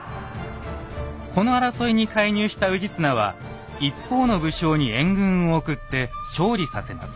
この争いに介入した氏綱は一方の武将に援軍を送って勝利させます。